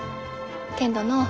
けんどのう